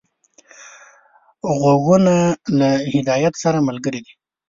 غوږونه له هدایت سره ملګري دي